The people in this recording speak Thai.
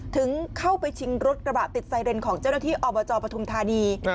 ถึงเข้าไปชิงรถกระบะติดไซเรนของเจ้าหน้าที่อบจปฐุมธานี